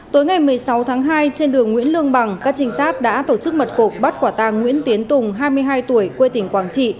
tối ngày một mươi sáu tháng hai trên đường nguyễn lương bằng các trinh sát đã tổ chức mật phục bắt quả tàng nguyễn tiến tùng hai mươi hai tuổi quê tỉnh quảng trị